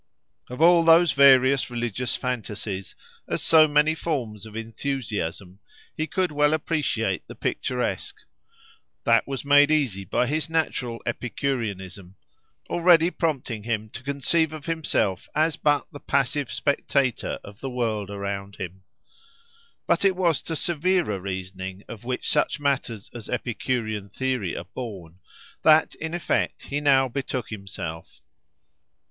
Of all those various religious fantasies, as so many forms of enthusiasm, he could well appreciate the picturesque; that was made easy by his natural Epicureanism, already prompting him to conceive of himself as but the passive spectator of the world around him. But it was to the severer reasoning, of which such matters as Epicurean theory are born, that, in effect, he now betook himself.